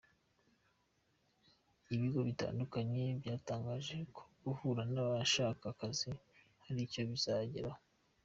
Ibigo bitandukanye byatangaje ko guhura n’abashaka akazi hari icyo bizageraho.